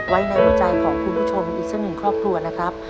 ไว้ในหัวใจของคุณผู้ชมอีกสักหนึ่งครอบครัวนะครับ